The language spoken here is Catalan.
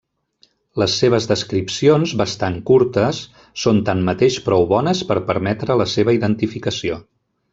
Les seves descripcions, bastant curtes, són tanmateix prou bones per permetre la seva identificació.